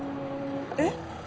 えっ？